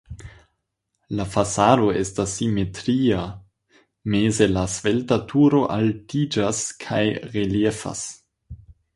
La fasado estas simetria, meze la svelta turo altiĝas kaj reliefas.